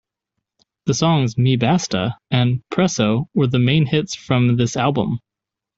The songs "Me basta" and "Preso" were the main hits from this album.